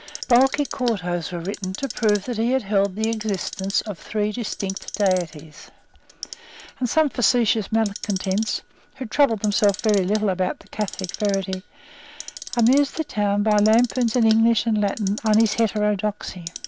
Bulky quartos were written to prove that he held the existence of three distinct Deities; and some facetious malecontents, who troubled themselves very little about the Catholic verity, amused the town by lampoons in English and Latin on his heterodoxy.